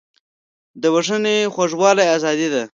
د بښنې خوږوالی ازادي ده.